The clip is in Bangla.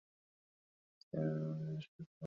সিনেমার ভিলেনের মতো হেসে ওঠেন।